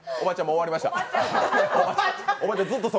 終わりました。